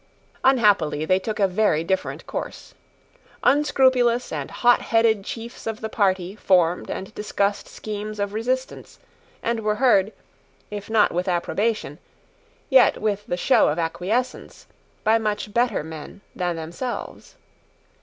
Unhappily they took a very different course. Unscrupulous and hot headed chiefs of the party formed and discussed schemes of resistance, and were heard, if not with approbation, yet with the show of acquiescence, by much better men than themselves.